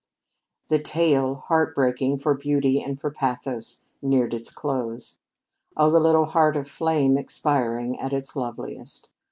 The tale, heart breaking for beauty and for pathos, neared its close. Oh, the little heart of flame expiring at its loveliest!